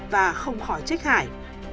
và không khỏi trách hải